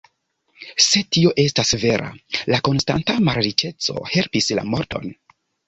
Se tio estas vera, la konstanta malriĉeco helpis la morton.